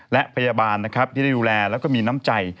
และพยาบาลนะครับที่ได้ดูแลแล้วก็มีน้ำใจ